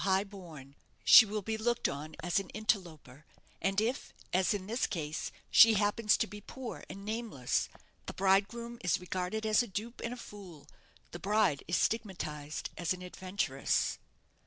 Let the bride be never so fair, never so high born, she will be looked on as an interloper; and if, as in this case, she happens to be poor and nameless, the bridegroom is regarded as a dupe and a fool; the bride is stigmatized as an adventuress.